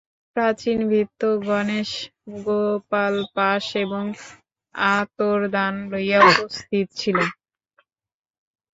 প্রাচীন ভৃত্য গণেশ গোলাপপাশ এবং আতরদান লইয়া উপস্থিত ছিল।